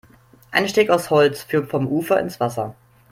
Ein Steg aus Holz führt vom Ufer ins Wasser.